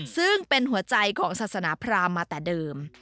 ซึ่งเป็นหัวใจของศาสนาพรามมาแต่เดิม